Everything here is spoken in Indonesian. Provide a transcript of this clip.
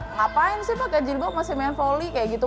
ngapain sih pakai jilbok masih main volley kayak gitu